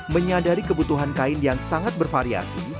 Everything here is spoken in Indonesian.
menyadari kebutuhan kain yang sangat bervariasi